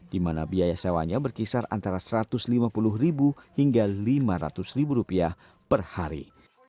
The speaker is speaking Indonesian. di mana biaya sewanya berkisar antara rp satu ratus lima puluh hingga rp lima ratus per hari